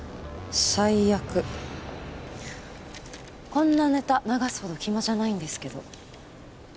こんなネタ流すほど暇じゃないんですけど。